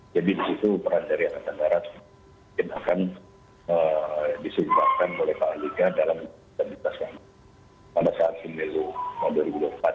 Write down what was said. jadi di situ perantarian antara kita akan disiapkan oleh pak ndika dalam aktivitas kamar pada saat nilai dua ribu dua puluh empat